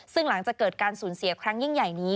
ซึ่งหลังจากเกิดการสูญเสียครั้งยิ่งใหญ่นี้